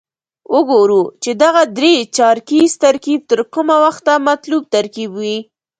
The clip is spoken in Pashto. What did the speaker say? وګورو چې دغه درې چارکیز ترکیب تر کومه وخته مطلوب ترکیب وي.